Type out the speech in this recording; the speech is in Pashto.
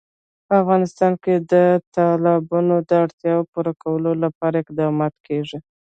په افغانستان کې د تالابونه د اړتیاوو پوره کولو لپاره اقدامات کېږي.